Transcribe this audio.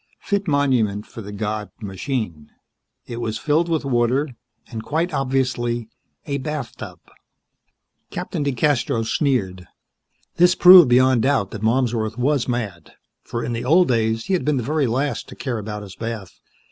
Fit monument for the god, machine. It was filled with water, and quite obviously a bathtub. Captain DeCastros sneered. This proved beyond doubt that Malmsworth was mad, for in the old days he had been the very last to care about his bath.